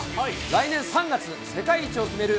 来年３月、世界一を決める